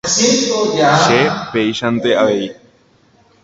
Che péichante avei.